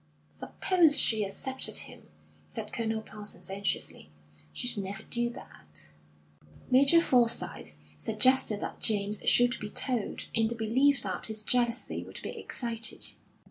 "Suppose she accepted him?" said Colonel Parsons, anxiously. "She'd never do that." Major Forsyth suggested that James should be told, in the belief that his jealousy would be excited.